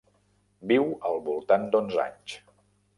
Viu al voltant d'onze anys.